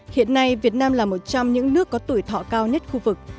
hiện nay việt nam là một trong những nước có tuổi thọ cao nhất khu vực